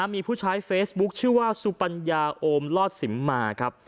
มีผู้ใช้เฟซบุ๊คชื่อว่าสุปัญญาโอมลอดสิมมาครับ